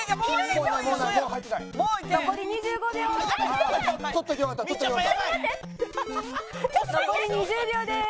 残り２０秒です。